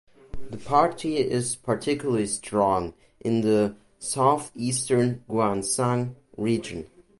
The party is particularly strong in the southeastern Gyeongsang region.